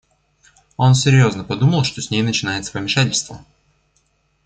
Он серьезно подумал, что с ней начинается помешательство.